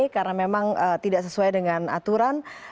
karena memang tidak sesuai dengan aturan